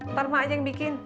ntar pak aja yang bikin